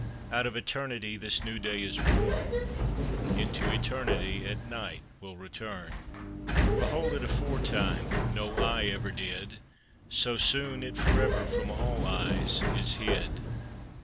Out of Eternity This new day is born; Into Eternity, At night will return. Behold it aforetime No eye ever did; So soon it for ever From all eyes is hid.